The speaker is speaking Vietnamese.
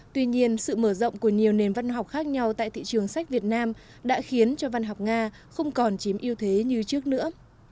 tuy nhiên sự mở rộng của nhiều nền văn học khác nhau tại thị trường sách việt nam đã khiến cho văn học nga không còn chiếm yêu thế như trước nữa